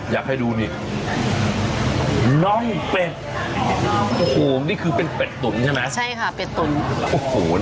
อยากให้ดูนี่น้องเป็ดโอ้โหนี่คือเป็นเป็ดตุ๋นใช่ไหมใช่ค่ะเป็ดตุ๋นโอ้โห